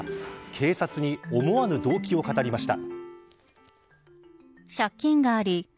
警察に思わぬ動機を語りました。